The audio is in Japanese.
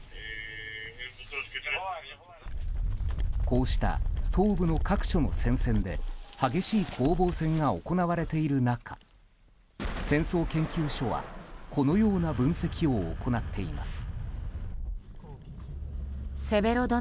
こうした東部の各所の戦線で激しい攻防戦が行われている中戦争研究所はこのような分析を行っています。